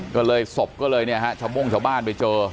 ก็เลยศพก็เลยเนี่ยฮะชาวโม่งชาวบ้านไปเจอ